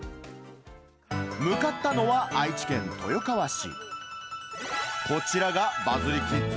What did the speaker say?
向かったのは愛知県豊川市。